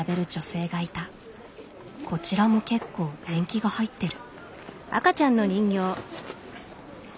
こちらも結構年季が入ってる。